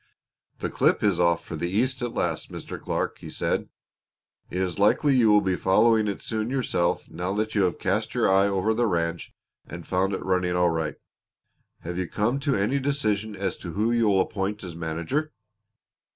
"The clip is off for the East at last, Mr. Clark," he said. "It is likely you will be following it soon yourself now that you have cast your eye over the ranch and found it running all right. Have you come to any decision as to who you'll appoint as manager?"